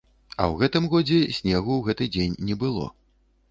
А ў гэтым годзе снегу ў гэты дзень не было.